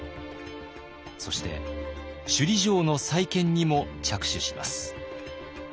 そして首里城の再建にも着手します。